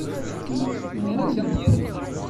Tella tettewliwil.